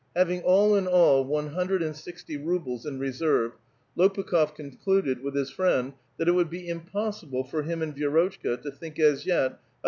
Having all in all one hundred and sixty rubles in reserve, Lopukh6f concluded^ with his friend, that it would l>e impossible for him and Vi^rotchka to think as yet of a.